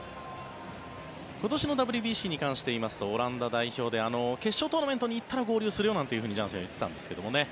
今年のＷＢＣに関して言いますとオランダ代表で決勝トーナメントに行ったら合流するよなんてジャンセンは言っていたんですけどね。